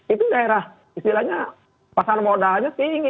itu daerah istilahnya pasar modalnya tinggi